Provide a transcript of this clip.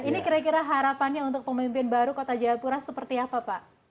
ini kira kira harapannya untuk pemimpin baru kota jayapura seperti apa pak